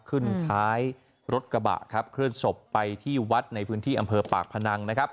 ขึ้นท้ายรถกระบะครับเคลื่อนศพไปที่วัดในพื้นที่อำเภอปากพนังนะครับ